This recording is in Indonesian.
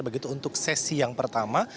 begitu untuk sesi yang pertama